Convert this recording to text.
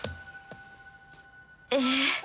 ええ？